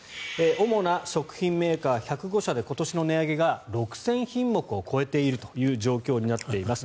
主な食品メーカー１０５社で今年の値上げが６０００品目を超えているという状況になっています。